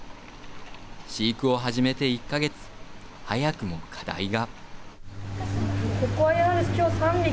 飼育を始めて１か月早くも課題が。